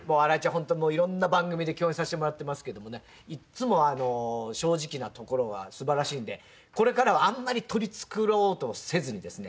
本当色んな番組で共演させてもらってますけどもねいつも正直なところは素晴らしいのでこれからはあんまり取り繕おうとせずにですね